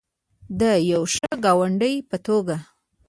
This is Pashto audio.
د یو ښه ګاونډي په توګه.